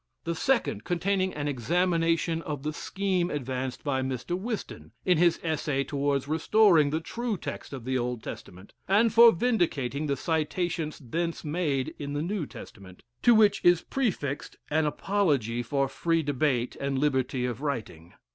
The second containing an examination of the scheme advanced by Mr. Whiston, in his essay towards restoring the true text of the Old Testament, and for vindicating the citations thence made in the New Testament, to which is prefixed an apology for free debate and liberty of writing.